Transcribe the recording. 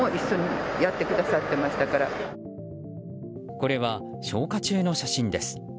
これは消火中の写真です。